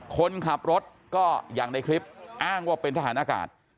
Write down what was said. คนขับรถก็อย่างในคลิปอ้างว่าเป็นทหารอากาศ